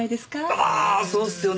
ああそうっすよね！